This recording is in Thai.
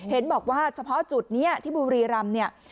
เห็นบอกว่าเฉพาะจุดนี้ที่บุรีรำเนี่ย